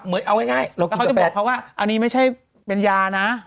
เอาง่ายเขาจะบอกเขาว่าอันนี้ไม่ใช่เป็นยานะ